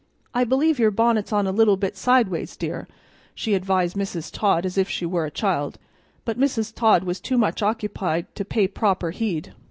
"I believe your bonnet's on a little bit sideways, dear," she advised Mrs. Todd as if she were a child; but Mrs. Todd was too much occupied to pay proper heed.